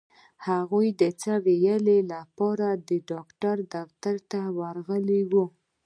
هغه د څه ويلو لپاره د ډاکټر دفتر ته راغلې وه.